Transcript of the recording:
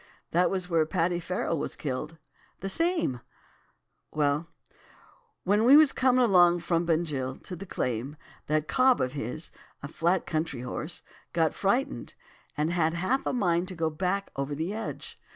That was where Paddy Farrell was killed.' "'The same; well, when we was coming along it from Bunjil to the claim, that cob of his—a flat country horse—got frightened, and had half a mind to back over the edge.